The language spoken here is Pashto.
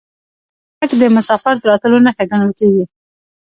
د کارغه غږ د مسافر د راتلو نښه ګڼل کیږي.